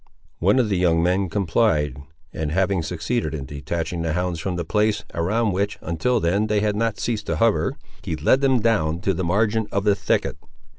One of the young men complied; and having succeeded in detaching the hounds from the place, around which, until then, they had not ceased to hover, he led them down to the margin of the thicket.